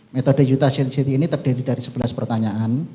metode yutah yatsiti ini terdiri dari sebelas pertanyaan